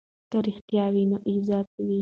که رښتیا وي نو عزت وي.